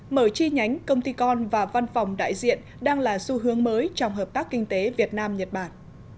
mở chi nhánh công ty con và văn phòng đại diện đang là xu hướng mới trong hợp tác kinh tế việt nam nhật bản